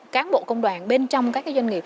cáng bộ công đoàn bên trong các doanh nghiệp